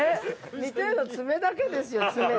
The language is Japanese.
似てるの爪だけですよ。